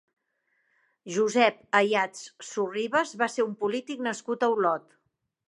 Josep Ayats Surribas va ser un polític nascut a Olot.